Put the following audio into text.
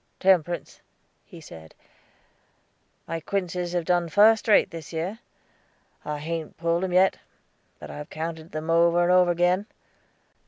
"Temperance," he said, "my quinces have done fust rate this year. I haint pulled 'em yet; but I've counted them over and over agin.